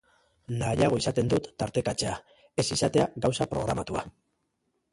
Nahiago izaten dut tartekatzea, ez izatea gauza programatua.